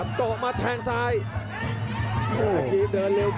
พยายามจะไถ่หน้านี่ครับการต้องเตือนเลยครับ